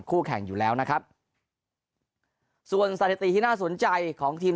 คู่แข่งอยู่แล้วนะครับส่วนสถิติที่น่าสนใจของทีม